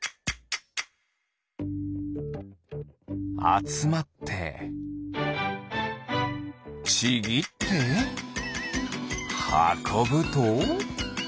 あつまってちぎってはこぶと。